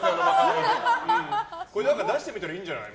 これ出してみたらいいんじゃない？